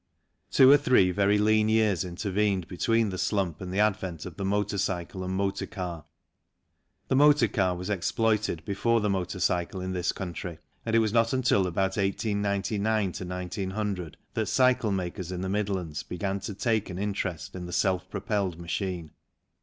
Two or three very lean years intervened between the slump and the advent of the motor cycle and motor can . THE CYCLE BOOM 73 The motor car was exploited before the motor cycle in this country, and it was not until about 1899 1900 that cycle makers in the Midlands began to take an interest in the self propelled machine.